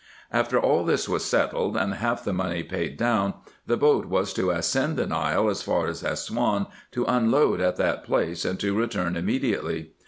After all this was settled, and half the money paid down, the boat was to ascend the Nile as far as Assouan, to unload at that place, and to return immediately.